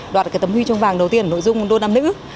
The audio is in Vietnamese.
đoạt tấm huy trông vàng đầu tiên nội dung đô nam nữ